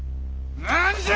何じゃ！